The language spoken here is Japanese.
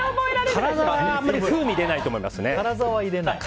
カラザはあまり風味出ないと思いますね。